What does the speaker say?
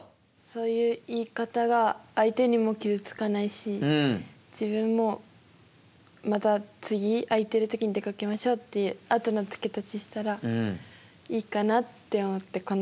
そういう言い方が相手にも傷つかないし自分もまた次空いてる時に出かけましょうっていうあとの付け足ししたらいいかなって思ってこの言葉を選びました。